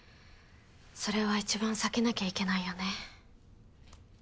それは一番避けなきゃいけないよね。